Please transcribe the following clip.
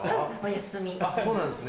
そうなんですね。